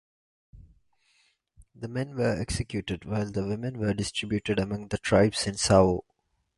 The men were executed while the women were distributed among the tribes in Zhao.